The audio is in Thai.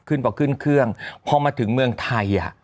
ขึ้นพอขึ้นเครื่องพอมาถึงเมืองไทยอ่ะ